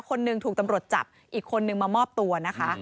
คนหนึ่งถูกตำรวจจับอีกคนนึงมามอบตัวนะคะ